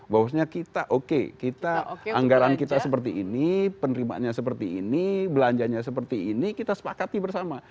bahwasanya kita oke kita anggaran kita seperti ini penerimaannya seperti ini belanjanya seperti ini kita sepakati bersama